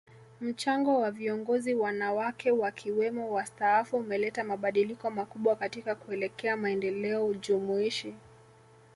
Mchango wa viongozi wanawake wakiwemo wastaafu umeleta mabadiliko makubwa katika kuelekea maendeleo jumuishi